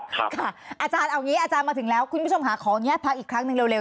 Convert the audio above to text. อาจารย์เอางี้อาจารย์มาถึงแล้วคุณผู้ชมค่ะขออนุญาตพักอีกครั้งหนึ่งเร็ว